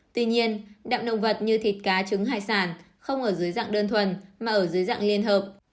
tuy nhiên đạm động vật như thịt cá trứng hải sản không ở dưới dạng đơn thuần mà ở dưới dạng liên hợp